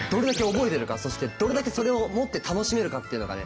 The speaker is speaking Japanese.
そしてどれだけそれをもって楽しめるかっていうのがね